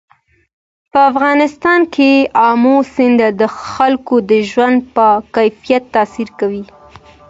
په افغانستان کې آمو سیند د خلکو د ژوند په کیفیت تاثیر کوي.